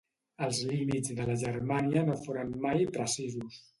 Els límits de la Germània no foren mai precisos.